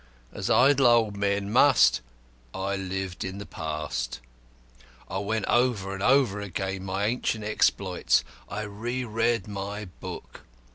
As idle old men must, I lived in the past. I went over and over again my ancient exploits; I re read my book.